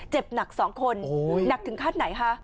เจ็บหนัก๒คนหนักถึงขั้นไหนคะ